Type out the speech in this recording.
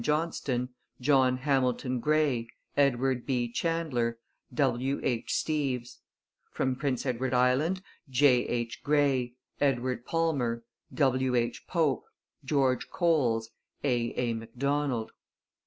Johnston, John Hamilton Gray, Edward B. Chandler, W. H. Steeves; from Prince Edward Island, J. H. Gray, Edward Palmer, W. H. Pope, George Coles, A. A. Macdonald.